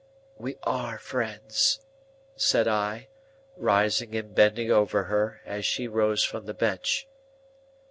"We are friends," said I, rising and bending over her, as she rose from the bench.